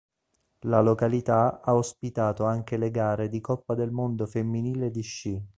La località ha ospitato anche le gare di Coppa del Mondo femminile di sci.